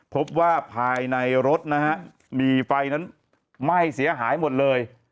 พบว่าภายในรถนะฮะมีไฟนั้นไหม้เสียหายหมดเลย